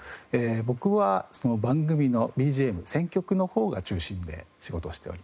僕は番組のＢＧＭ選曲の方が中心で仕事をしております。